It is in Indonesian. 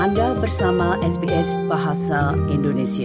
anda bersama sps bahasa indonesia